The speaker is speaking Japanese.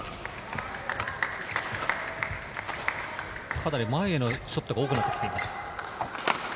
かなり前へのショットが多くなってきています。